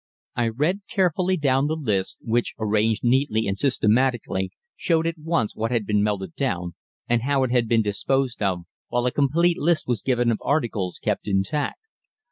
I read carefully down the list, which, arranged neatly and systematically, showed at once what had been melted down, and how it had been disposed of, while a complete list was given of articles kept intact.